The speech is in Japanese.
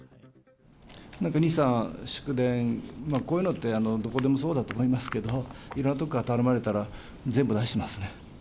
なんか２、３、祝電、こういうのって、どこでもそうだと思いますけど、いろんな所から頼まれたら、全部出しますね。